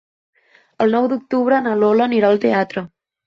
El nou d'octubre na Lola anirà al teatre.